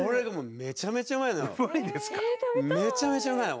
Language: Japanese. めちゃめちゃうまいの！